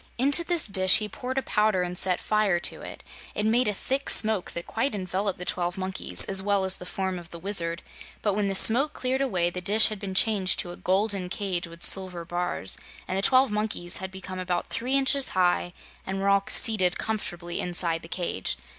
Into this dish he poured a powder and set fire to it. It made a thick smoke that quite enveloped the twelve monkeys, as well as the form of the Wizard, but when the smoke cleared away the dish had been changed to a golden cage with silver bars, and the twelve monkeys had become about three inches high and were all seated comfortably inside the cage.